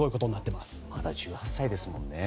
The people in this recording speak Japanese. まだ１８歳ですもんね。